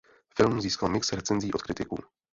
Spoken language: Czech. Film získal mix recenzí od kritiků.